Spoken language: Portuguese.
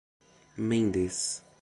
Mendes